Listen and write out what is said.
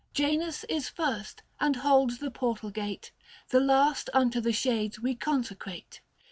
Janus is first, and holds the portal gate ; The last unto the Shades we consecrate.